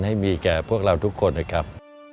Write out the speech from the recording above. ให้มีแก่พวกเราทุกคนนะครับ